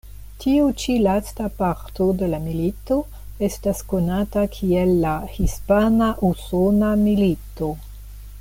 Tiu ĉi lasta parto de la milito estas konata kiel la Hispana-usona milito.